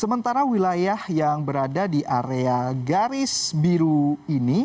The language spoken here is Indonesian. sementara wilayah yang berada di area garis biru ini